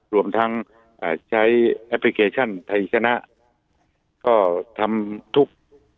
รวมทั้งใช้แอปพลิเคชันไทยชนะก็ทำทุก